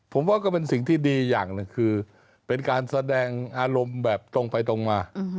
ผมว่าก็เป็นสิ่งที่ดีอย่างหนึ่งคือเป็นการแสดงอารมณ์แบบตรงไปตรงมา